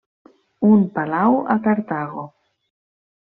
Un palau a Cartago.